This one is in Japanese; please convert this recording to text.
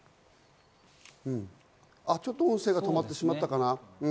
ちょっと音声が止まってしまったかな？